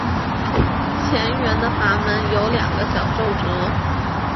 前缘的阀门有两个小皱褶。